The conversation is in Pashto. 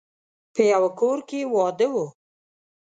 په يوه کور کې واده و.